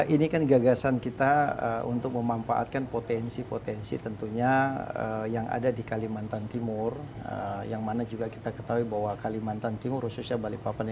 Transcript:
ini meliputi berapa provinsi